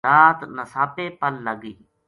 رات نساپے پَل لگ گئی